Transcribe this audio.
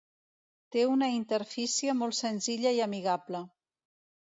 Té una interfície molt senzilla i amigable.